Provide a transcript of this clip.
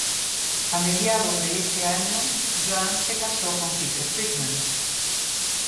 A mediados de ese año, Joan se casó con Peter Friedman.